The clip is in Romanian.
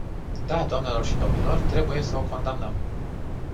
Da, doamnelor și domnilor, trebuie să o condamnăm!